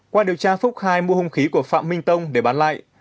qua điều tra phúc khai mua hung khí của phạm minh tông để bán lại